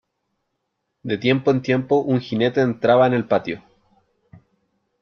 de tiempo en tiempo un jinete entraba en el patio :